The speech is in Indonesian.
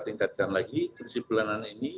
tingkatkan lagi krisip pelanan ini